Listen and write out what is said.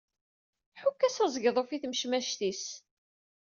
Ḥukk-as aẓegḍuf i tmecmact-is.